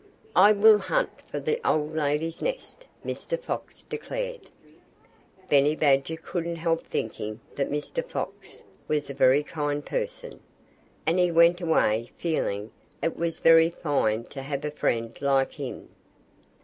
"I will hunt for the old lady's nest," Mr. Fox declared. Benny Badger couldn't help thinking that Mr. Fox was a very kind person. And he went away feeling that it was very fine to have a friend like him.